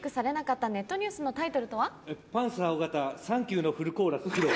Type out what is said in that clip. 「パンサー尾形サンキューのフルコーラスひろう」。